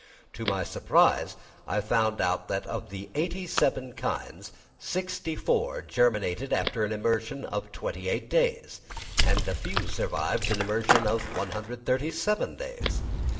To my surprise I found that out of eighty seven kinds, sixty four germinated after an immersion of twenty eight days, and a few survived an immersion of 137 days.